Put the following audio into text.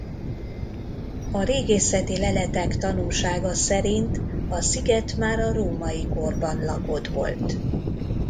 A régészeti leletek tanúsága szerint a sziget már a római korban lakott volt.